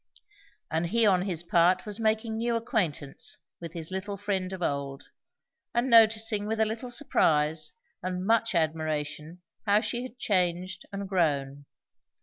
And he on his part was making new acquaintance with his little friend of old, and noticing with a little surprise and much admiration how she had changed and grown.